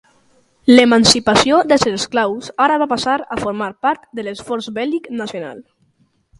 L'emancipació dels esclaus ara va passar a formar part de l'esforç bèl·lic nacional.